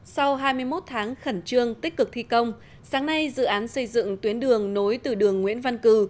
sau hai mươi một tháng khẩn trương tích cực thi công sáng nay dự án xây dựng tuyến đường nối từ đường nguyễn văn cử